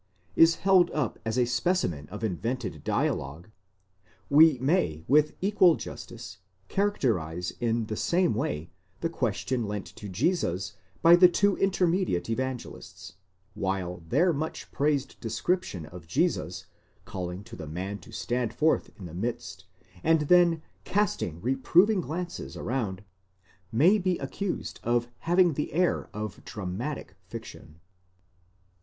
is held up as a specimen of invented dialogue;? we may with equal justice characterize in the same way the question lent to Jesus by the two inter mediate Evangelists ; while their much praised® description of Jesus calling to the man to stand forth in the midst, and then casting reproving glances around, may be accused of having the air of dramatic fiction.